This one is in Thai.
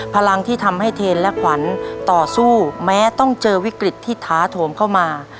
พลังที่ทำให้เทนและขวัญต่อสู้แม้ต้องเจอวิกฤตที่ท้าโถมเข้ามา